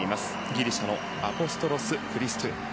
ギリシャのアポストロス・クリストゥ。